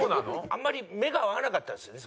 あんまり目が合わなかったんですよね